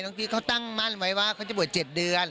ต้องกิ๊กเขาตั้งมั่นไว้ว่าเขาจะบ่า๗เดือน